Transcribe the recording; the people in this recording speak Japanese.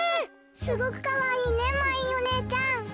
すごくかわいいねまいんおねえちゃん。